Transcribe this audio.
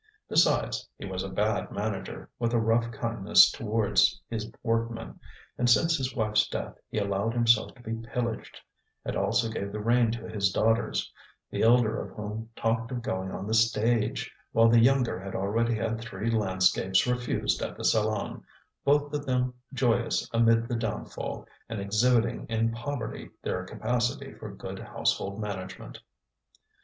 Besides, he was a bad manager, with a rough kindness towards his workmen, and since his wife's death he allowed himself to be pillaged, and also gave the rein to his daughters, the elder of whom talked of going on the stage, while the younger had already had three landscapes refused at the Salon, both of them joyous amid the downfall, and exhibiting in poverty their capacity for good household management.